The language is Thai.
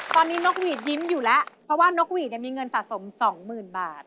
ตอนนี้นกหวีดยิ้มอยู่แล้วเพราะว่านกหวีดมีเงินสะสมสองหมื่นบาท